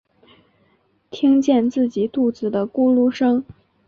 听见自己肚子的咕噜声